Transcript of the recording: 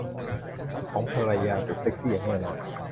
ของภรรยาสุดเซ็กซี่อย่างแน่นอน